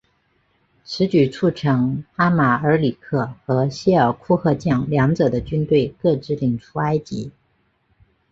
此举促成阿马尔里克和谢尔库赫将两者的军队各自领出埃及。